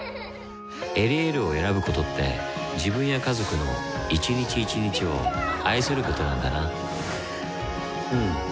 「エリエール」を選ぶことって自分や家族の一日一日を愛することなんだなうん。